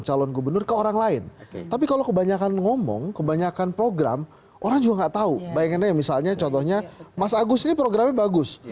kalau mas agus ini mas agus ini programnya bagus